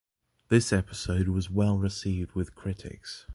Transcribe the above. The episode was well-received with critics.